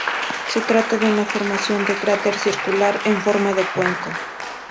Se trata de una formación de cráter circular, en forma de cuenco.